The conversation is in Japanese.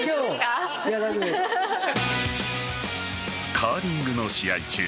カーリングの試合中